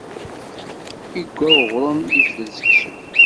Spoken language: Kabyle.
Iggwa uɣṛum, iftel seksu.